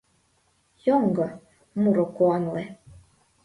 Йоҥго, муро куанле!